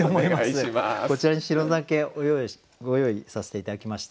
こちらに白酒ご用意させて頂きました。